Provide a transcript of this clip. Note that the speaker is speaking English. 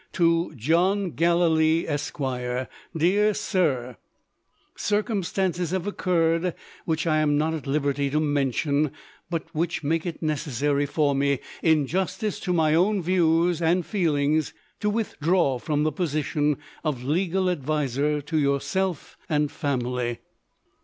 "To John Gallilee, Esquire: Dear Sir, Circumstances have occurred, which I am not at liberty to mention, but which make it necessary for me, in justice to my own views and feelings, to withdraw from the position of legal adviser to yourself and family."